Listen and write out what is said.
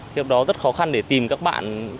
thì lúc đó rất khó khăn để tìm các bạn